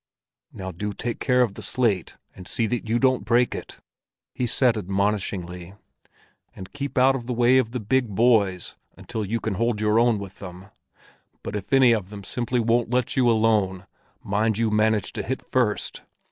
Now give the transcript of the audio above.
"Now do take care of the slate, and see that you don't break it!" he said admonishingly. "And keep out of the way of the big boys until you can hold your own with them. But if any of them simply won't let you alone, mind you manage to hit first!